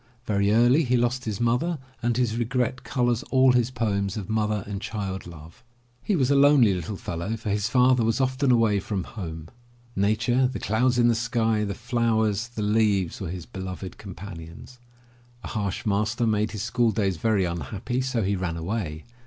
Very early he lost his mother, and his regret colors all his poems of mother and child love. He was a lonely little fellow for his father was often away from home. Nature, the clouds in the sky, the flowers, the leaves, were his beloved companions. A harsh master made his school days very unhappy, so he ran away.